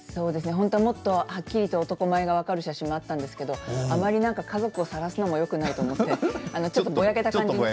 本当はもっとはっきりと男前が分かる写真があったんですけれども、あまり家族をさらすのもよくないなと思ってちょっとぼやけた写真を。